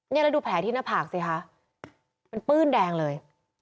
แล้วดูแผลที่หน้าผากสิคะมันปื้นแดงเลย